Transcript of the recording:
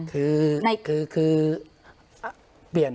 คือ